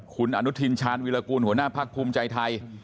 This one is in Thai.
คุณอนุทินชาญวิรากูลหัวหน้าพักภูมิใจไทย